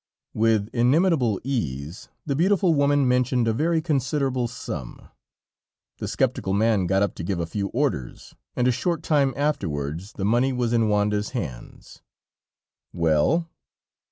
With inimitable ease, the beautiful woman mentioned a very considerable sum. The skeptical man got up to give a few orders, and a short time afterwards the money was in Wanda's hands. "Well?"